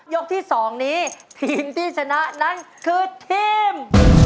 ที่๒นี้ทีมที่ชนะนั้นคือทีม